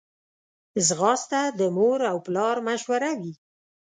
ځغاسته د مور او پلار مشوره وي